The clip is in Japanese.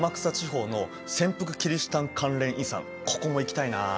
そうここも行きたいなあ。